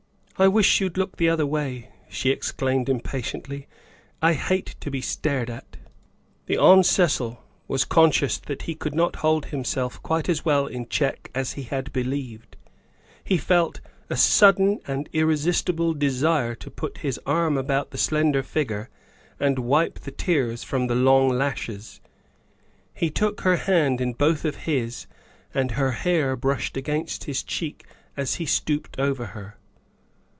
" I wish you'd look the other way," she exclaimed impatiently, " I hate to be stared at." The Hon. Cecil was conscious that he could not hold himself quite as well in check as he had believed ; he felt 104 THE WIFE OF a sudden and irresistible desire to put his arm about the slender figure and wipe the tears from the long lashes. He took her hand in both of his, and her hair brushed against his cheek as he stooped over her.